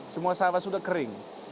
semua sawah sudah kering